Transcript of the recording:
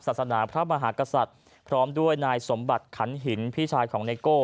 ศาสนาพระมหากษัตริย์พร้อมด้วยนายสมบัติขันหินพี่ชายของไนโก้